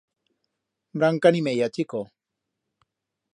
Branca ni meya, chico.